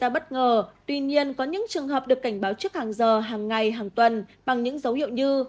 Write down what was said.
bệnh nhân có thể dẫn tới tử phong ngày hàng tuần bằng những dấu hiệu như